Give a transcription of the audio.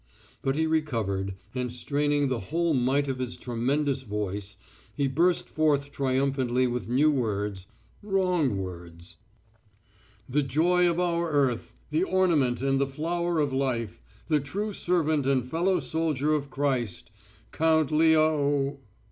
But he recovered, and straining the whole might of his tremendous voice, he burst forth triumphantly with new words, wrong words: "The joy of our earth, the ornament and the flower of life, the true servant and fellow soldier of Christ, Count Leo...."